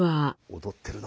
踊ってるな。